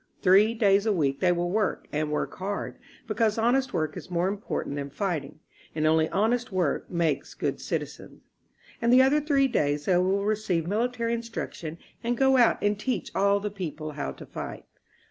Three days a week they will work and work hard, because honest work is more important than fighting, and only honest work makes good citizens. And the other three days they will receive military instruction and go out and teach all the people how to fight.